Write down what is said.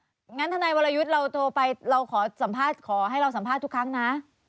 งั้นทนายวรยุทธ์เราโทรไปเราขอสัมภาษณ์ขอให้เราสัมภาษณ์ทุกครั้งนะ